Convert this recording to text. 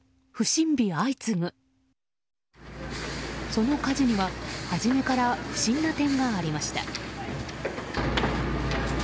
その火事には初めから不審な点がありました。